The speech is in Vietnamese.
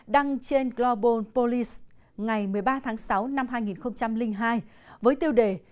đăng trên global polyes ngày một mươi ba tháng sáu năm hai nghìn hai với tiêu đề